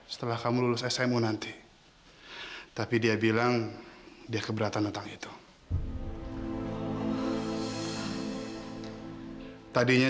sampai jumpa di video selanjutnya